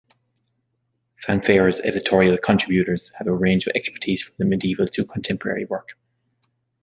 "Fanfare"'s editorial contributors have a range of expertise from the medieval to contemporary work.